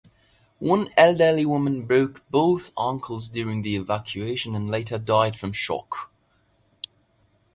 One elderly woman broke both ankles during the evacuation, and later died from shock.